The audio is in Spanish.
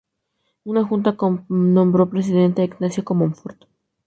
Una junta nombró presidente a Ignacio Comonfort.